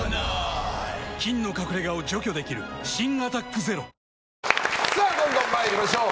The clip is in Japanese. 菌の隠れ家を除去できる新「アタックＺＥＲＯ」どんどん参りましょう。